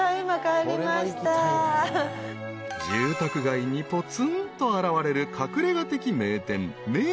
［住宅街にぽつんと現れる隠れ家的名店］